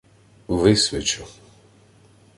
— Висвячу...